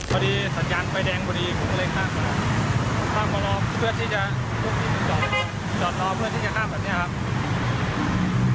พอดีสัญญาณไฟแดงพอดีผมก็เลยข้ามมาข้ามมารอเพื่อที่จะจอดรอเพื่อที่จะข้ามแบบนี้ครับ